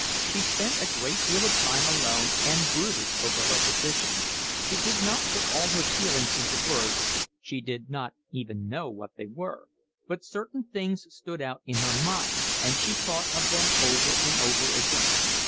She spent a great deal of time alone and brooded over her position. She did not put all her feelings into words, she did not even know what they were, but certain things stood out in her mind, and she thought of them over and over again.